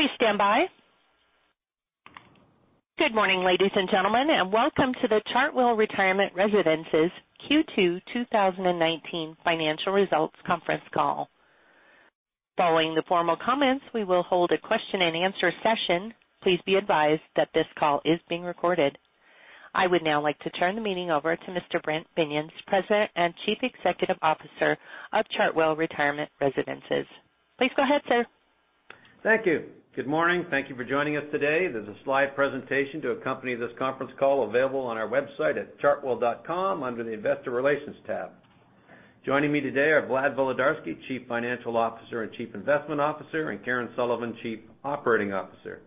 Please stand by. Good morning, ladies and gentlemen, and welcome to the Chartwell Retirement Residences Q2 2019 financial results conference call. Following the formal comments, we will hold a question and answer session. Please be advised that this call is being recorded. I would now like to turn the meeting over to Mr. Brent Binions, President and Chief Executive Officer of Chartwell Retirement Residences. Please go ahead, sir. Thank you. Good morning. Thank you for joining us today. There's a slide presentation to accompany this conference call available on our website at chartwell.com under the investor relations tab. Joining me today are Vlad Volodarski, Chief Financial Officer and Chief Investment Officer, and Karen Sullivan, Chief Operating Officer.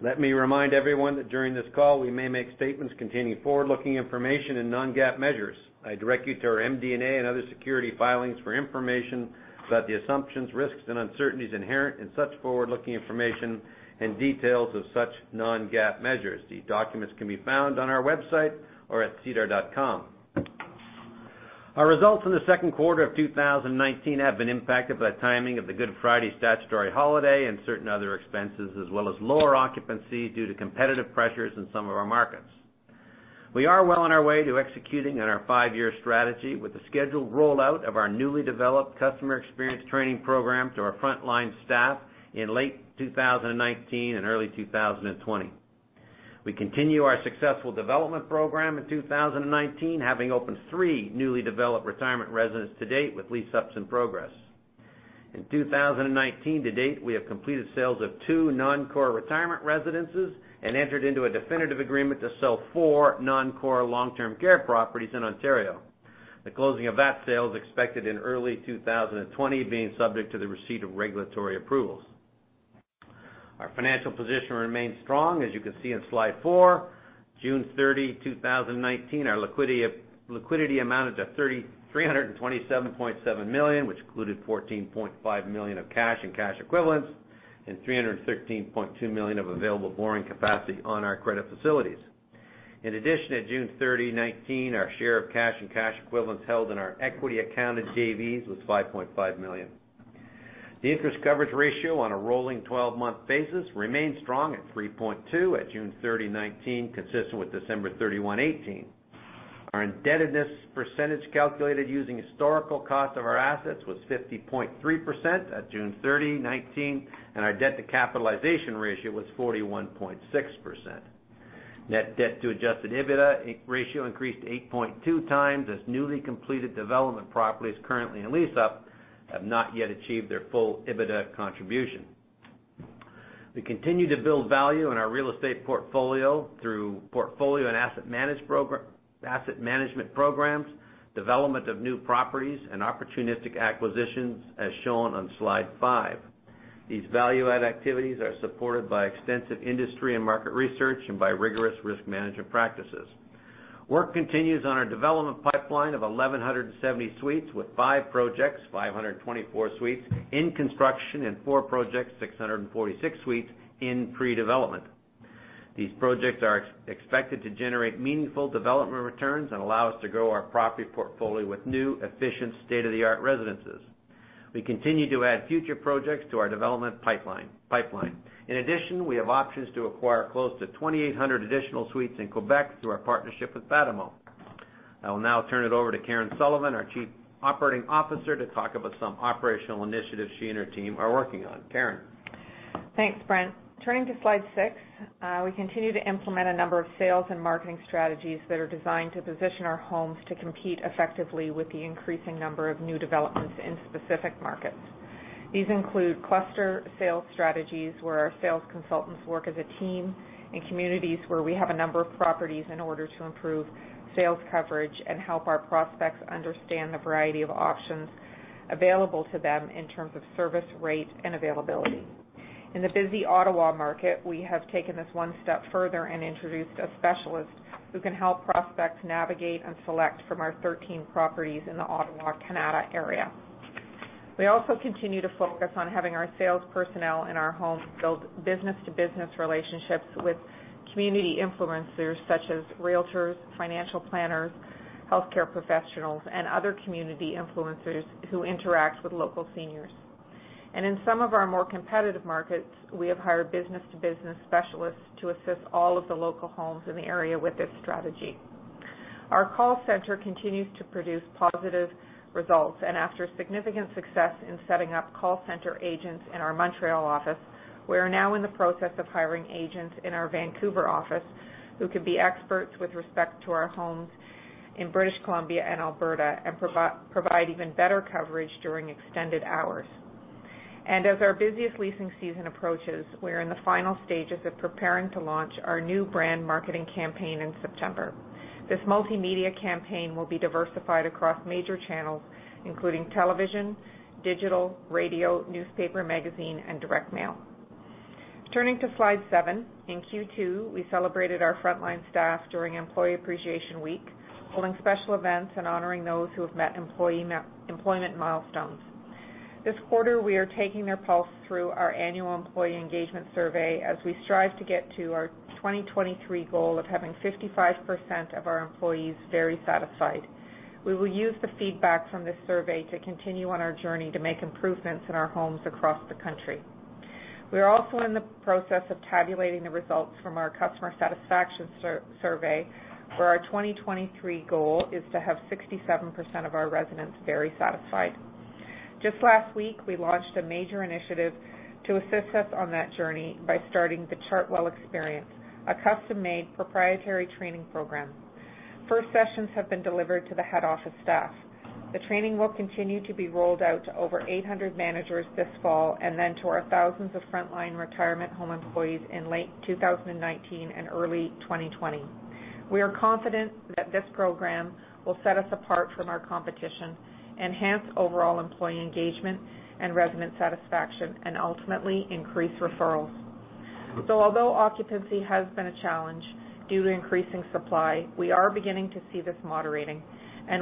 Let me remind everyone that during this call, we may make statements containing forward-looking information and non-GAAP measures. I direct you to our MD&A and other security filings for information about the assumptions, risks, and uncertainties inherent in such forward-looking information and details of such non-GAAP measures. These documents can be found on our website or at sedar.com. Our results in the second quarter of 2019 have been impacted by the timing of the Good Friday statutory holiday and certain other expenses, as well as lower occupancy due to competitive pressures in some of our markets. We are well on our way to executing on our five-year strategy with the scheduled rollout of our newly developed customer experience training program to our frontline staff in late 2019 and early 2020. We continue our successful development program in 2019, having opened three newly developed retirement residences to date with lease-ups in progress. In 2019 to date, we have completed sales of two non-core retirement residences and entered into a definitive agreement to sell four non-core long-term care properties in Ontario. The closing of that sale is expected in early 2020, being subject to the receipt of regulatory approvals. Our financial position remains strong as you can see on slide four. June 30, 2019, our liquidity amounted to 327.7 million, which included 14.5 million of cash and cash equivalents and 313.2 million of available borrowing capacity on our credit facilities. At June 30, 2019, our share of cash and cash equivalents held in our equity accounted JVs was 5.5 million. The interest coverage ratio on a rolling 12-month basis remains strong at 3.2 at June 30, 2019, consistent with December 31, 2018. Our indebtedness percentage calculated using the historical cost of our assets was 50.3% at June 30, 2019, and our debt-to-capitalization ratio was 41.6%. Net debt to adjusted EBITDA ratio increased 8.2 times as newly completed development properties currently in lease-up have not yet achieved their full EBITDA contribution. We continue to build value in our real estate portfolio through portfolio and asset management programs, development of new properties, and opportunistic acquisitions, as shown on slide five. These value-add activities are supported by extensive industry and market research and by rigorous risk management practices. Work continues on our development pipeline of 1,170 suites with five projects, 524 suites in construction, and four projects, 646 suites in pre-development. These projects are expected to generate meaningful development returns and allow us to grow our property portfolio with new, efficient, state-of-the-art residences. We continue to add future projects to our development pipeline. We have options to acquire close to 2,800 additional suites in Quebec through our partnership with Batimo. I will now turn it over to Karen Sullivan, our Chief Operating Officer, to talk about some operational initiatives she and her team are working on. Karen. Thanks, Brent. Turning to slide six, we continue to implement a number of sales and marketing strategies that are designed to position our homes to compete effectively with the increasing number of new developments in specific markets. These include cluster sales strategies, where our sales consultants work as a team in communities where we have a number of properties in order to improve sales coverage and help our prospects understand the variety of options available to them in terms of service, rate, and availability. In the busy Ottawa market, we have taken this one step further and introduced a specialist who can help prospects navigate and select from our 13 properties in the Ottawa, Canada area. We also continue to focus on having our sales personnel in our homes build business-to-business relationships with community influencers such as realtors, financial planners, healthcare professionals, and other community influencers who interact with local seniors. In some of our more competitive markets, we have hired business-to-business specialists to assist all of the local homes in the area with this strategy. Our call center continues to produce positive results, and after significant success in setting up call center agents in our Montreal office, we are now in the process of hiring agents in our Vancouver office who can be experts with respect to our homes in British Columbia and Alberta and provide even better coverage during extended hours. As our busiest leasing season approaches, we are in the final stages of preparing to launch our new brand marketing campaign in September. This multimedia campaign will be diversified across major channels, including television, digital, radio, newspaper, magazine, and direct mail. Turning to slide seven. In Q2, we celebrated our frontline staff during Employee Appreciation Week, holding special events and honoring those who have met employment milestones. This quarter, we are taking their pulse through our annual employee engagement survey as we strive to get to our 2023 goal of having 55% of our employees very satisfied. We will use the feedback from this survey to continue on our journey to make improvements in our homes across the country. We are also in the process of tabulating the results from our customer satisfaction survey, where our 2023 goal is to have 67% of our residents very satisfied. Just last week, we launched a major initiative to assist us on that journey by starting the Chartwell Experience, a custom-made proprietary training program. First sessions have been delivered to the head office staff. The training will continue to be rolled out to over 800 managers this fall, and then to our thousands of frontline retirement home employees in late 2019 and early 2020. We are confident that this program will set us apart from our competition, enhance overall employee engagement and resident satisfaction, and ultimately increase referrals. Although occupancy has been a challenge due to increasing supply, we are beginning to see this moderating.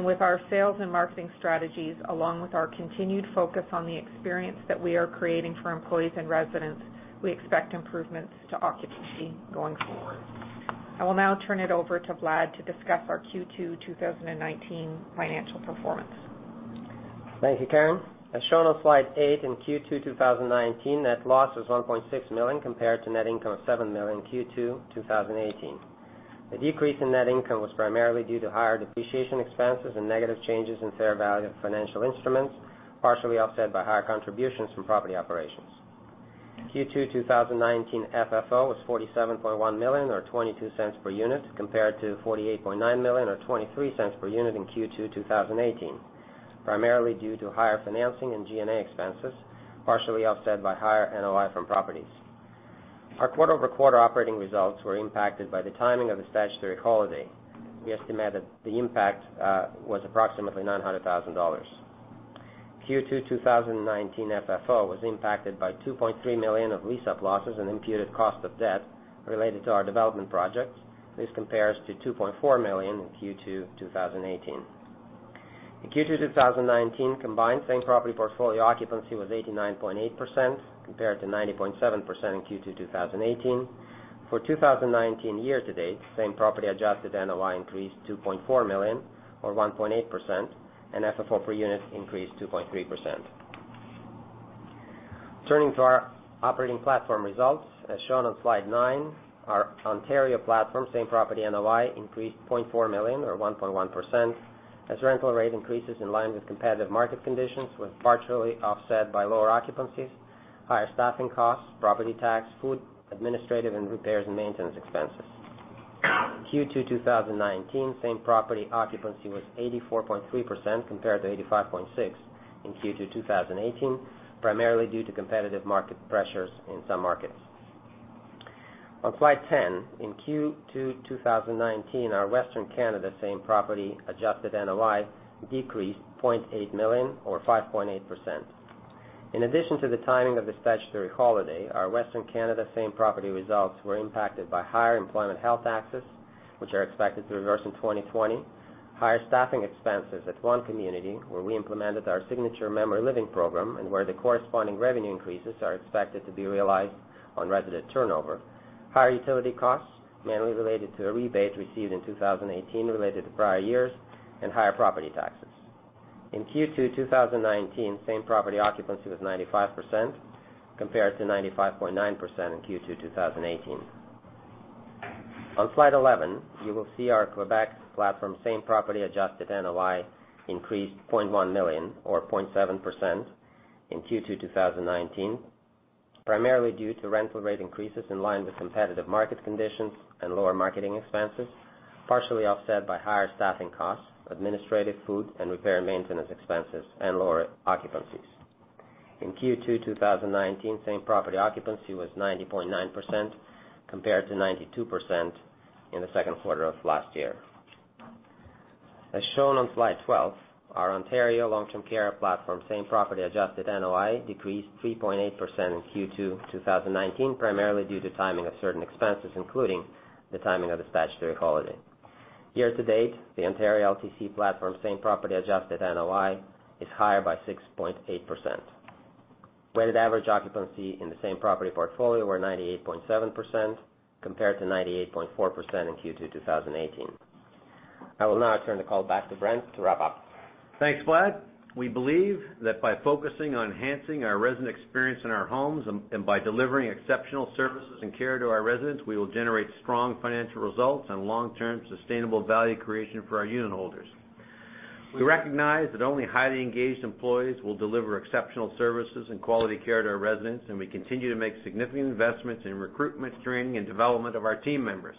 With our sales and marketing strategies, along with our continued focus on the experience that we are creating for employees and residents, we expect improvements to occupancy going forward. I will now turn it over to Vlad to discuss our Q2 2019 financial performance. Thank you, Karen. As shown on slide eight, in Q2 2019, net loss was 1.6 million compared to net income of 7 million Q2 2018. The decrease in net income was primarily due to higher depreciation expenses and negative changes in fair value of financial instruments, partially offset by higher contributions from property operations. Q2 2019 FFO was 47.1 million, or 0.22 per unit, compared to 48.9 million, or 0.23 per unit in Q2 2018, primarily due to higher financing and G&A expenses, partially offset by higher NOI from properties. Our quarter-over-quarter operating results were impacted by the timing of the statutory holiday. We estimate that the impact was approximately 900,000 dollars. Q2 2019 FFO was impacted by 2.3 million of lease-up losses and imputed cost of debt related to our development projects. This compares to 2.4 million in Q2 2018. In Q2 2019, combined same property portfolio occupancy was 89.8%, compared to 90.7% in Q2 2018. For 2019 year to date, same property adjusted NOI increased 2.4 million, or 1.8%, and FFO per unit increased 2.3%. Turning to our operating platform results, as shown on slide nine, our Ontario platform same property NOI increased 0.4 million or 1.1%, as rental rate increases in line with competitive market conditions was partially offset by lower occupancies, higher staffing costs, property tax, food, administrative, and repairs and maintenance expenses. In Q2 2019, same property occupancy was 84.3%, compared to 85.6% in Q2 2018, primarily due to competitive market pressures in some markets. On slide 10, in Q2 2019, our Western Canada same property adjusted NOI decreased 0.8 million, or 5.8%. In addition to the timing of the statutory holiday, our Western Canada same property results were impacted by higher employment health taxes, which are expected to reverse in 2020, higher staffing expenses at one community where we implemented our signature Memory Living program and where the corresponding revenue increases are expected to be realized on resident turnover, higher utility costs mainly related to a rebate received in 2018 related to prior years, and higher property taxes. In Q2 2019, same property occupancy was 95%, compared to 95.9% in Q2 2018. On slide 11, you will see our Quebec platform same property adjusted NOI increased 0.1 million or 0.7% in Q2 2019, primarily due to rental rate increases in line with competitive market conditions and lower marketing expenses, partially offset by higher staffing costs, administrative, food, and repair and maintenance expenses, and lower occupancies. In Q2 2019, same property occupancy was 90.9%, compared to 92% in the second quarter of last year. As shown on slide 12, our Ontario long-term care platform same property adjusted NOI decreased 3.8% in Q2 2019, primarily due to timing of certain expenses, including the timing of the statutory holiday. Year to date, the Ontario LTC platform same property adjusted NOI is higher by 6.8%. Weighted average occupancy in the same property portfolio were 98.7%, compared to 98.4% in Q2 2018. I will now turn the call back to Brent to wrap up. Thanks, Vlad. We believe that by focusing on enhancing our resident experience in our homes and by delivering exceptional services and care to our residents, we will generate strong financial results and long-term sustainable value creation for our unitholders. We recognize that only highly engaged employees will deliver exceptional services and quality care to our residents, and we continue to make significant investments in recruitment, training, and development of our team members.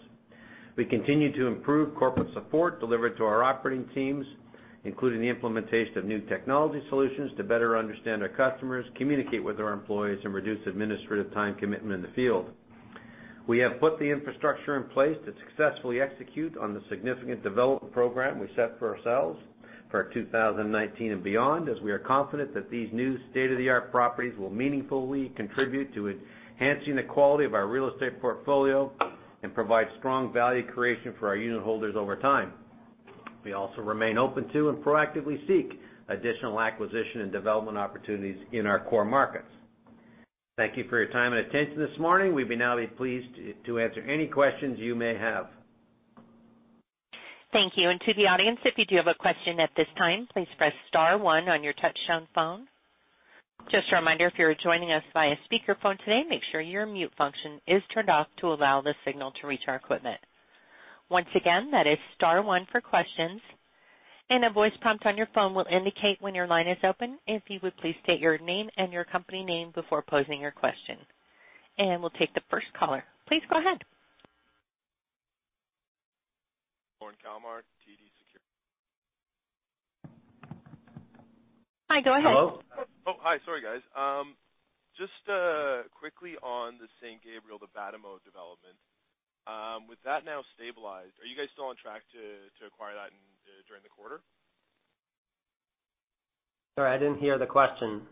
We continue to improve corporate support delivered to our operating teams, including the implementation of new technology solutions to better understand our customers, communicate with our employees, and reduce administrative time commitment in the field. We have put the infrastructure in place to successfully execute on the significant development program we set for ourselves for 2019 and beyond, as we are confident that these new state-of-the-art properties will meaningfully contribute to enhancing the quality of our real estate portfolio and provide strong value creation for our unitholders over time. We also remain open to and proactively seek additional acquisition and development opportunities in our core markets. Thank you for your time and attention this morning. We'd now be pleased to answer any questions you may have. Thank you. To the audience, if you do have a question at this time, please press star one on your touch-tone phone. Just a reminder, if you are joining us via speakerphone today, make sure your mute function is turned off to allow the signal to reach our equipment. Once again, that is star one for questions, and a voice prompt on your phone will indicate when your line is open. If you would please state your name and your company name before posing your question. We'll take the first caller. Please go ahead. Lorne Kalmar, TD Securities. Hi, go ahead. Hello. Oh, hi. Sorry, guys. Just quickly on the St-Gabriel, the Batimo development. With that now stabilized, are you guys still on track to acquire that during the quarter? Sorry, I didn't hear the question.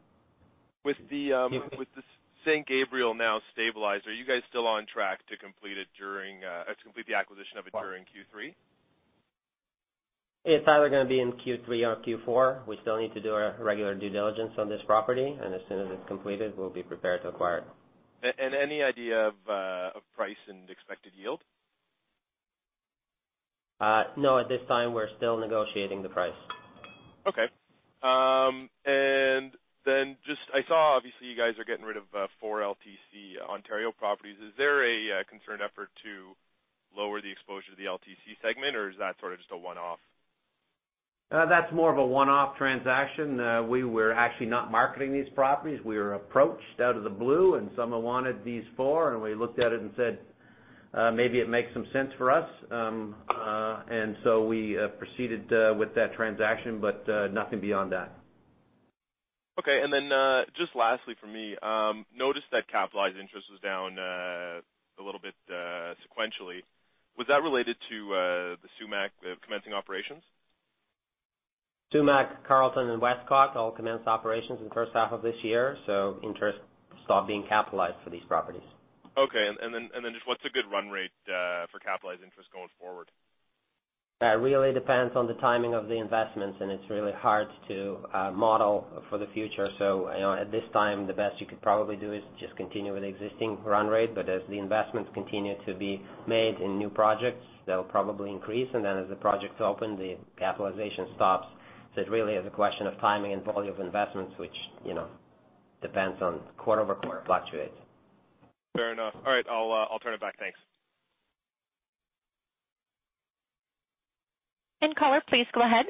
With the St-Gabriel now stabilized, are you guys still on track to complete the acquisition of it during Q3? It's either going to be in Q3 or Q4. We still need to do our regular due diligence on this property, and as soon as it's completed, we'll be prepared to acquire it. Any idea of price and expected yield? No. At this time, we're still negotiating the price. Okay. Just, I saw, obviously, you guys are getting rid of four LTC Ontario properties. Is there a concerned effort to lower the exposure to the LTC segment, or is that sort of just a one-off? That's more of a one-off transaction. We were actually not marketing these properties. We were approached out of the blue, and someone wanted these four, and we looked at it and said, "Maybe it makes some sense for us." We proceeded with that transaction, but nothing beyond that. Okay. Just lastly from me, noticed that capitalized interest was down a little bit sequentially. Was that related to The Sumach commencing operations? The Sumach, Carlton, and Westcott all commenced operations in the first half of this year. Interest stopped being capitalized for these properties. Okay. Just what's a good run rate for capitalized interest going forward? That really depends on the timing of the investments, and it's really hard to model for the future. At this time, the best you could probably do is just continue with the existing run rate. As the investments continue to be made in new projects, they'll probably increase. As the projects open, the capitalization stops. It really is a question of timing and volume of investments, which depends on quarter-over-quarter fluctuates. Fair enough. All right. I'll turn it back. Thanks. Caller, please go ahead.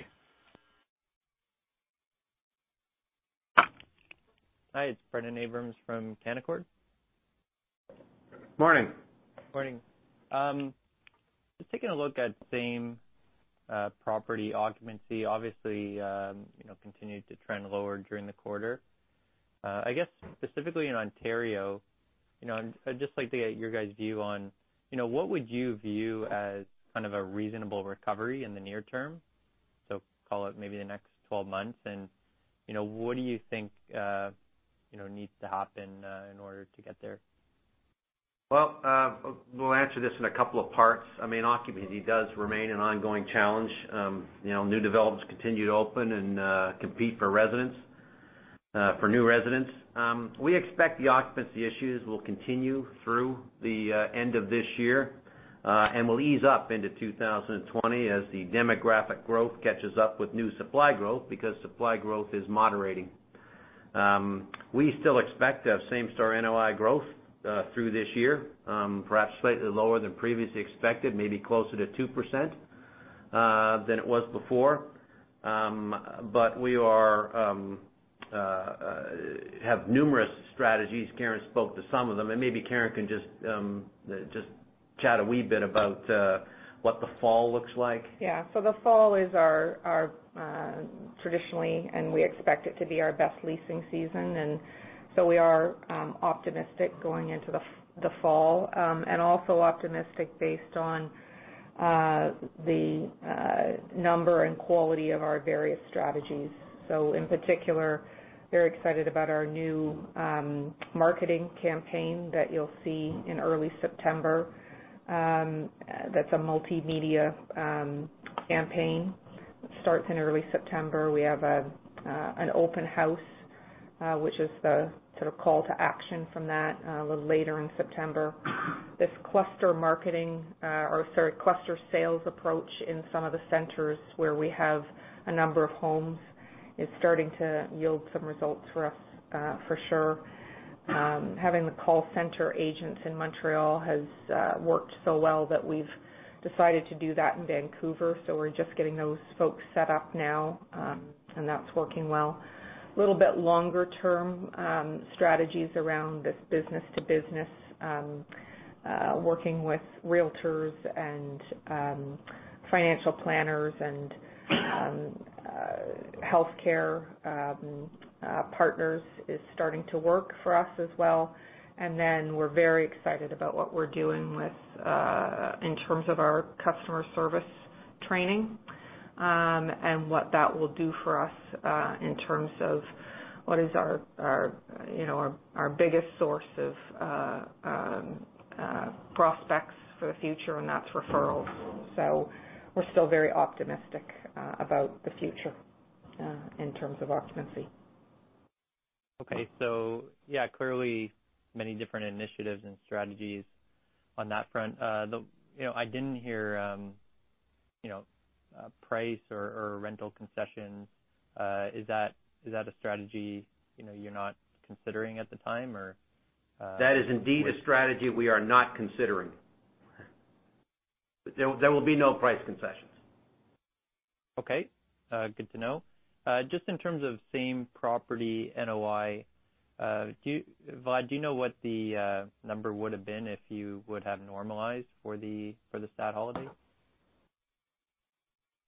Hi, it's Brendon Abrams from Canaccord. Morning. Morning. Just taking a look at same property occupancy, obviously, continued to trend lower during the quarter. I guess specifically in Ontario, I'd just like to get your guys' view on what would you view as kind of a reasonable recovery in the near term? Call it maybe the next 12 months, and what do you think needs to happen in order to get there? Well, we'll answer this in a couple of parts. Occupancy does remain an ongoing challenge. New developments continue to open and compete for new residents. We expect the occupancy issues will continue through the end of this year. Will ease up into 2020 as the demographic growth catches up with new supply growth because supply growth is moderating. We still expect to have same-store NOI growth through this year, perhaps slightly lower than previously expected, maybe closer to 2% than it was before. We have numerous strategies. Karen spoke to some of them, and maybe Karen can just chat a wee bit about what the fall looks like. The fall is our traditionally, and we expect it to be our best leasing season. We are optimistic going into the fall. Also optimistic based on the number and quality of our various strategies. In particular, very excited about our new marketing campaign that you'll see in early September. That's a multimedia campaign. It starts in early September. We have an open house, which is the sort of call to action from that, a little later in September. This cluster sales approach in some of the centers where we have a number of homes is starting to yield some results for us for sure. Having the call center agents in Montreal has worked so well that we've decided to do that in Vancouver. We're just getting those folks set up now, and that's working well. A little bit longer-term strategies around this business-to-business, working with realtors and financial planners and healthcare partners is starting to work for us as well. We're very excited about what we're doing in terms of our customer service training. What that will do for us in terms of what is our biggest source of prospects for the future, and that's referrals. We're still very optimistic about the future in terms of occupancy. Okay. Yeah, clearly many different initiatives and strategies on that front. I didn't hear price or rental concessions. Is that a strategy you're not considering at the time? That is indeed a strategy we are not considering. There will be no price concessions. Okay. Good to know. Just in terms of same property NOI, Vlad, do you know what the number would have been if you would have normalized for the stat holiday?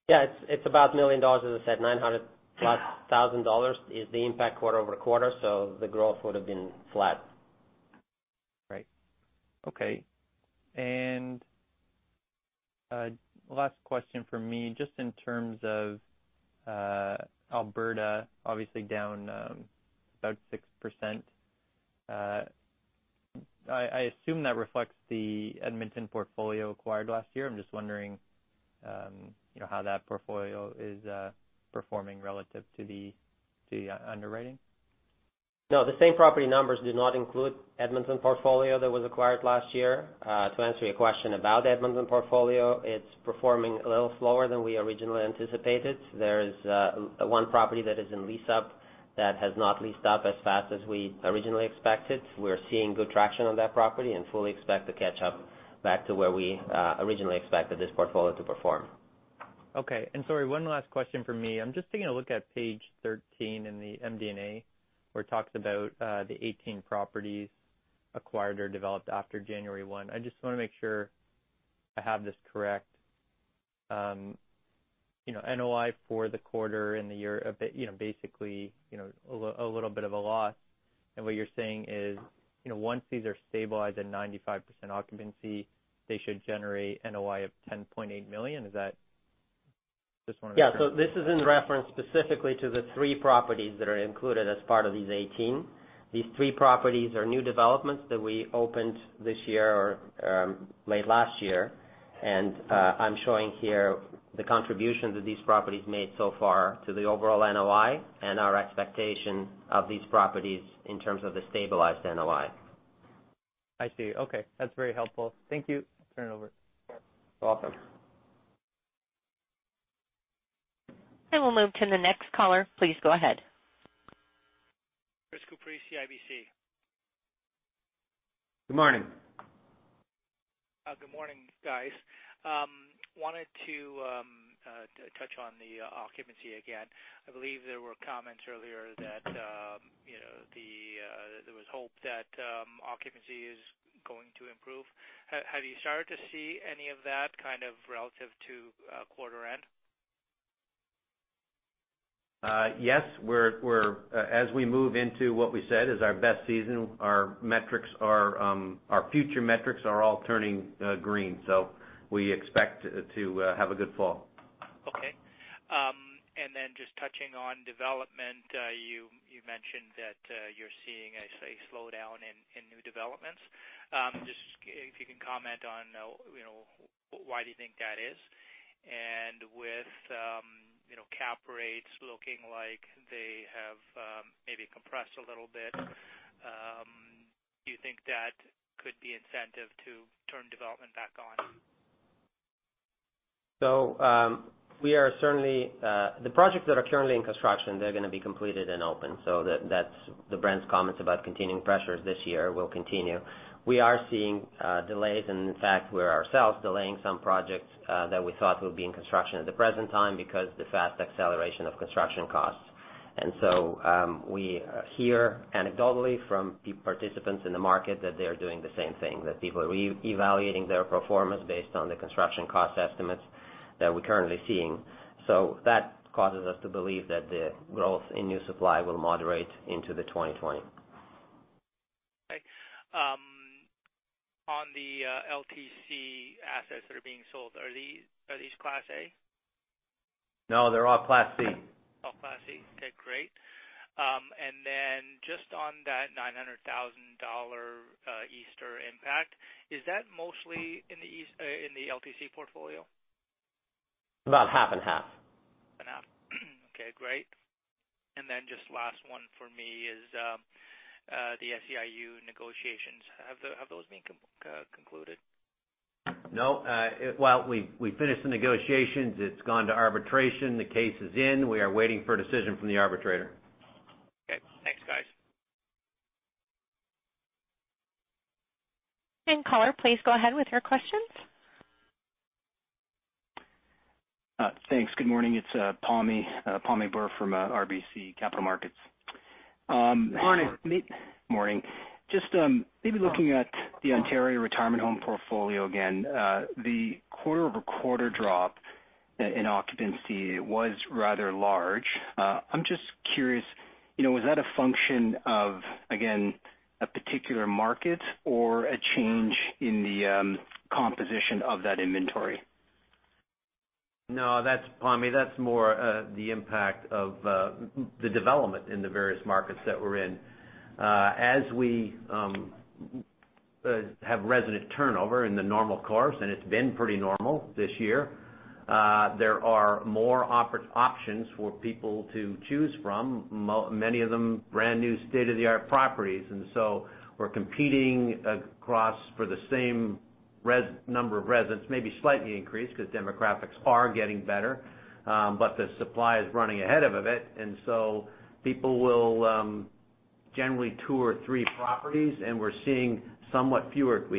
Yeah. It's about 1 million dollars, as I said, 900 plus thousand is the impact quarter-over-quarter. The growth would've been flat. Right. Okay. Last question from me, just in terms of Alberta, obviously down about 6%. I assume that reflects the Edmonton portfolio acquired last year. I am just wondering how that portfolio is performing relative to the underwriting. No, the same property numbers do not include Edmonton portfolio that was acquired last year. To answer your question about Edmonton portfolio, it's performing a little slower than we originally anticipated. There is one property that is in lease-up that has not leased up as fast as we originally expected. We're seeing good traction on that property and fully expect to catch up back to where we originally expected this portfolio to perform. Okay. Sorry, one last question from me. I'm just taking a look at page 13 in the MD&A, where it talks about the 18 properties acquired or developed after January 1. I just want to make sure I have this correct. NOI for the quarter and the year, basically, a little bit of a loss, and what you're saying is, once these are stabilized at 95% occupancy, they should generate NOI of 10.8 million. Just want to make sure. Yeah. This is in reference specifically to the three properties that are included as part of these 18. These three properties are new developments that we opened this year or late last year. I'm showing here the contributions that these properties made so far to the overall NOI and our expectation of these properties in terms of the stabilized NOI. I see. Okay. That is very helpful. Thank you. Turn it over. Welcome. We'll move to the next caller. Please go ahead. Chris Couprie, CIBC. Good morning. Good morning, guys. Wanted to touch on the occupancy again. I believe there were comments earlier that there was hope that occupancy is going to improve. Have you started to see any of that kind of relative to quarter end? Yes. As we move into what we said is our best season, our future metrics are all turning green, so we expect to have a good fall. Okay. Just touching on development, you mentioned that you're seeing, I say, a slowdown in new developments. If you can comment on why do you think that is? With cap rates looking like they have maybe compressed a little bit, do you think that could be incentive to turn development back on? The projects that are currently in construction, they're going to be completed and opened. That's Brent's comments about continuing pressures this year will continue. We are seeing delays, and in fact, we're ourselves delaying some projects that we thought would be in construction at the present time because the fast acceleration of construction costs. We hear anecdotally from participants in the market that they're doing the same thing, that people are evaluating their performance based on the construction cost estimates that we're currently seeing. That causes us to believe that the growth in new supply will moderate into the 2020. Okay. On the LTC assets that are being sold, are these Class A? No, they're all Class C. All Class C. Okay, great. Just on that 900,000 dollar Easter impact, is that mostly in the LTC portfolio? About half and half. Half and half. Okay, great. Just last one for me is the SEIU negotiations. Have those been concluded? No. Well, we finished the negotiations. It's gone to arbitration. The case is in. We are waiting for a decision from the arbitrator. Okay. Thanks, guys. Caller, please go ahead with your questions. Thanks. Good morning. It's Pammi Bir from RBC Capital Markets. Morning. Morning. Just maybe looking at the Ontario retirement home portfolio again. The quarter-over-quarter drop in occupancy was rather large. I'm just curious, was that a function of, again, a particular market or a change in the composition of that inventory? No, Pammi, that's more the impact of the development in the various markets that we're in. As we have resident turnover in the normal course, and it's been pretty normal this year. There are more options for people to choose from, many of them brand-new state-of-the-art properties. We're competing across for the same number of residents, maybe slightly increased, because demographics are getting better. The supply is running ahead of it, and so people will generally tour three properties. We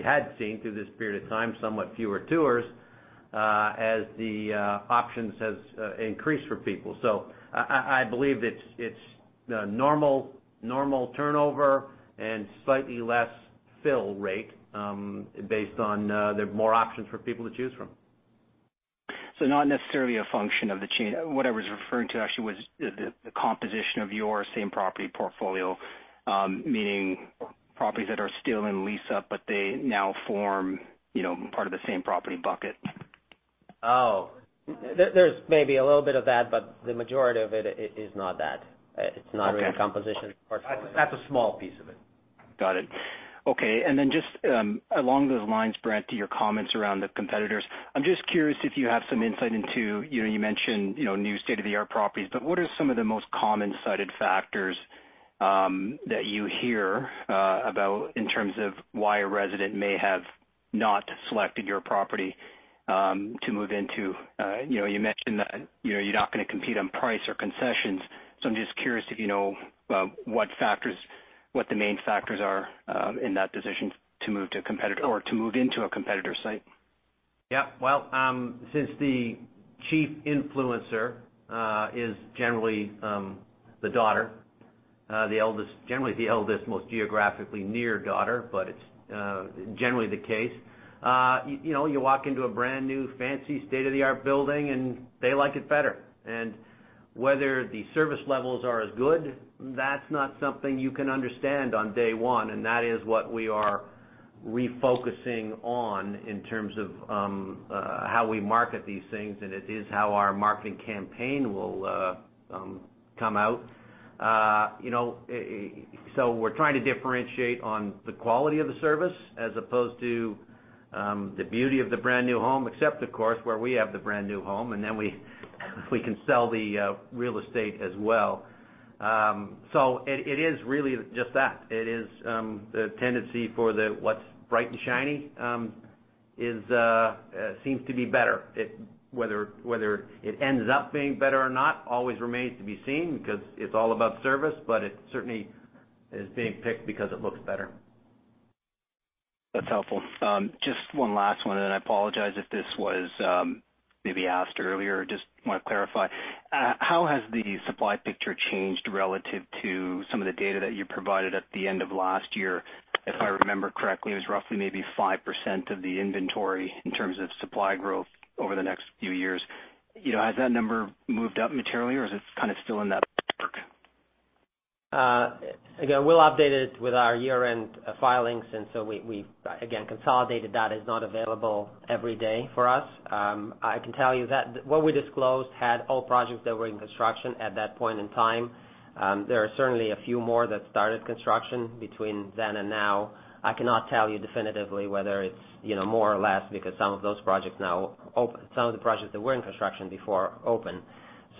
had seen, through this period of time, somewhat fewer tours as the options has increased for people. I believe it's normal turnover and slightly less fill rate, based on there are more options for people to choose from. Not necessarily a function of the chain. What I was referring to actually was the composition of your same-property portfolio, meaning properties that are still in lease-up, but they now form part of the same property bucket. Oh. There's maybe a little bit of that, but the majority of it is not that. It's not really composition. That's a small piece of it. Got it. Okay. Then just along those lines, Brent, to your comments around the competitors, I'm just curious if you have some insight into, you mentioned new state-of-the-art properties, but what are some of the most common cited factors that you hear about in terms of why a resident may have not selected your property to move into? You mentioned that you're not going to compete on price or concessions, so I'm just curious if you know what the main factors are in that decision to move to a competitor or to move into a competitor site. Yeah. Well, since the chief influencer is generally the daughter, generally the eldest, most geographically near daughter, but it's generally the case. You walk into a brand-new, fancy, state-of-the-art building, and they like it better. Whether the service levels are as good, that's not something you can understand on day one, and that is what we are refocusing on in terms of how we market these things, and it is how our marketing campaign will come out. We're trying to differentiate on the quality of the service as opposed to the beauty of the brand-new home, except of course, where we have the brand-new home, and then we can sell the real estate as well. It is really just that. It is the tendency for what's bright and shiny seems to be better. Whether it ends up being better or not always remains to be seen, because it's all about service, but it certainly is being picked because it looks better. That's helpful. Just one last one, and then I apologize if this was maybe asked earlier. Just want to clarify. How has the supply picture changed relative to some of the data that you provided at the end of last year? If I remember correctly, it was roughly maybe 5% of the inventory in terms of supply growth over the next few years. Has that number moved up materially, or is it kind of still in that park? Again, we'll update it with our year-end filings. We, again, consolidated data is not available every day for us. I can tell you that what we disclosed had all projects that were in construction at that point in time. There are certainly a few more that started construction between then and now. I cannot tell you definitively whether it's more or less because some of the projects that were in construction before are open.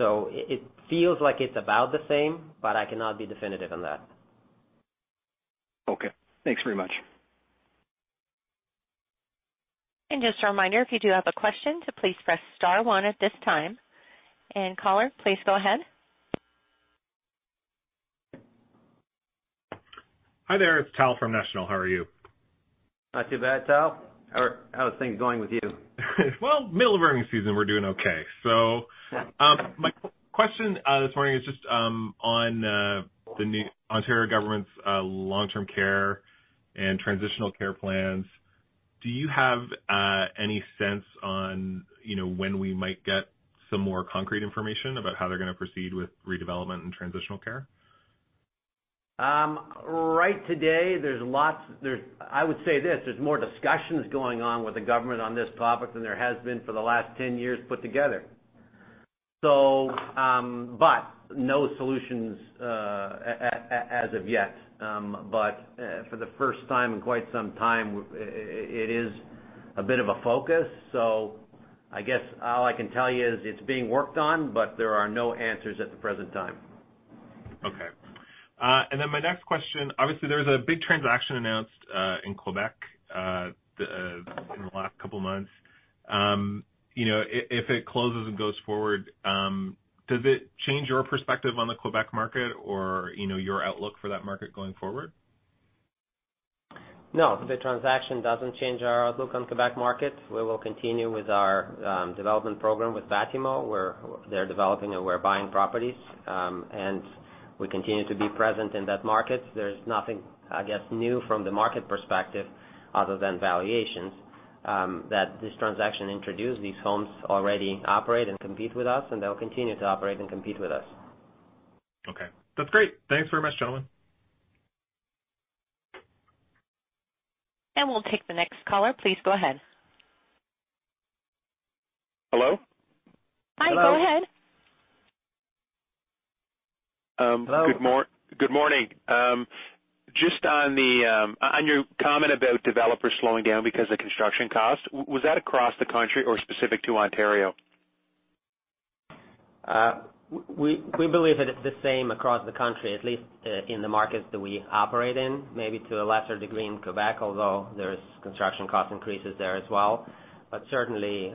It feels like it's about the same, but I cannot be definitive on that. Okay. Thanks very much. Just a reminder, if you do have a question, to please press star one at this time. Caller, please go ahead. Hi there. It's Tal from National. How are you? Not too bad, Tal. How are things going with you? Well, middle of earnings season, we're doing okay. My question this morning is just on the new Ontario government's long-term care and transitional care plans. Do you have any sense on when we might get some more concrete information about how they're going to proceed with redevelopment and transitional care? Right today, I would say this, there's more discussions going on with the government on this topic than there has been for the last 10 years put together. No solutions as of yet. For the first time in quite some time, it is a bit of a focus. I guess all I can tell you is it's being worked on, but there are no answers at the present time. Okay. My next question, obviously, there was a big transaction announced in Quebec in the last couple of months. If it closes and goes forward, does it change your perspective on the Quebec market or your outlook for that market going forward? No, the transaction doesn't change our outlook on Quebec market. We will continue with our development program with Batimo, where they're developing, and we're buying properties. We continue to be present in that market. There's nothing, I guess, new from the market perspective other than valuations that this transaction introduced. These homes already operate and compete with us, and they'll continue to operate and compete with us. Okay. That's great. Thanks very much, gentlemen. We'll take the next caller. Please go ahead. Hello. Good morning. Just on your comment about developers slowing down because of construction cost, was that across the country or specific to Ontario? We believe that it's the same across the country, at least in the markets that we operate in, maybe to a lesser degree in Quebec, although there's construction cost increases there as well. Certainly,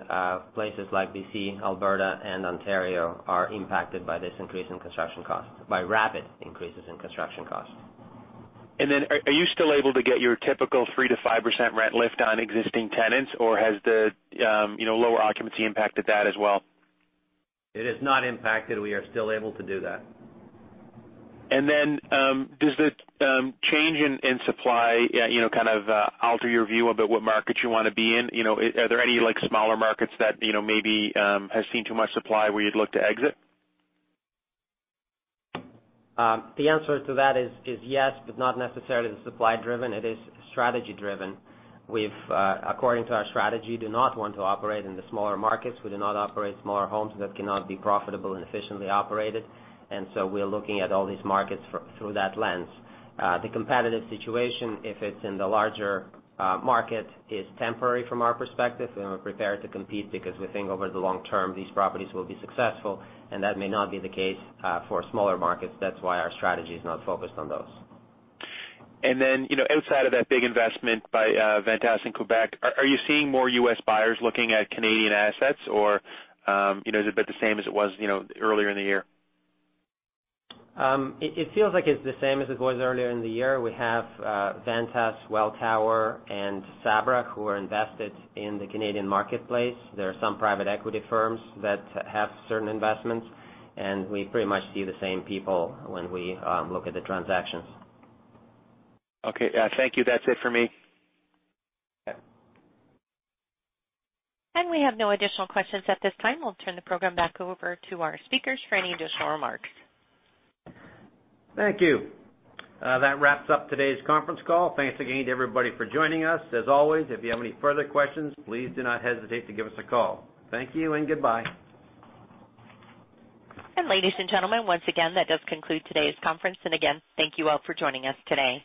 places like BC, Alberta, and Ontario are impacted by this increase in construction costs, by rapid increases in construction costs. Are you still able to get your typical 3%-5% rent lift on existing tenants, or has the lower occupancy impacted that as well? It is not impacted. We are still able to do that. Then, does the change in supply, kind of alter your view about what markets you want to be in? Are there any smaller markets that maybe has seen too much supply where you'd look to exit? The answer to that is yes, but not necessarily the supply-driven. It is strategy-driven. We've, according to our strategy, do not want to operate in the smaller markets. We do not operate smaller homes that cannot be profitable and efficiently operated. We are looking at all these markets through that lens. The competitive situation, if it's in the larger market, is temporary from our perspective, and we're prepared to compete because we think over the long term, these properties will be successful, and that may not be the case for smaller markets. That's why our strategy is not focused on those. Outside of that big investment by Ventas in Quebec, are you seeing more U.S. buyers looking at Canadian assets, or is it about the same as it was earlier in the year? It feels like it's the same as it was earlier in the year. We have Ventas, Welltower, and Sabra who are invested in the Canadian marketplace. We pretty much see the same people when we look at the transactions. Okay. Thank you. That's it for me. Okay. We have no additional questions at this time. We'll turn the program back over to our speakers for any additional remarks. Thank you. That wraps up today's conference call. Thanks again to everybody for joining us. As always, if you have any further questions, please do not hesitate to give us a call. Thank you and goodbye. Ladies and gentlemen, once again, that does conclude today's conference. Again, thank you all for joining us today.